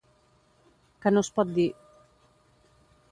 Que no es pot dir.